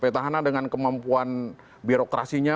petahana dengan kemampuan birokrasinya